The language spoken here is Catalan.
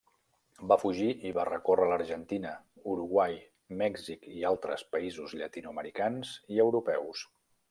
Va fugir i va recórrer l'Argentina, Uruguai, Mèxic i altres països llatinoamericans i europeus.